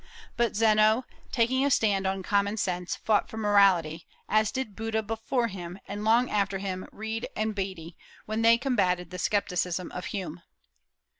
But Zeno, taking a stand on common sense, fought for morality, as did Buddha before him, and long after him Reid and Beattie, when they combated the scepticism of Hume.